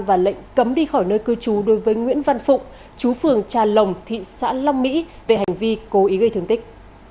và lệnh cấm đi khỏi nơi cư trú đối với nguyễn văn phụng chú phường trà lồng thị xã long mỹ về hành vi cố ý gây thương tích